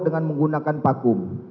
dengan menggunakan pakum